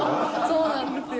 そうなんですよ。